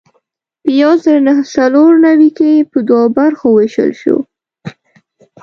په یو زر نهه سوه څلور نوي کې په دوو برخو وېشل شو.